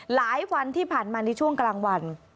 หลายวันที่ผ่านมาในช่วงกลางวัน